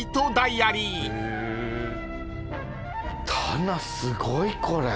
棚すごいこれ。